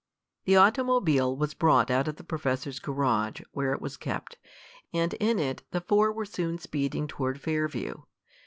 The automobile was brought out of the professor's garage, where it was kept, and in it the four were soon speeding toward Fairview.